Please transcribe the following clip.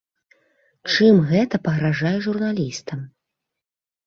Чым гэта пагражае журналістам?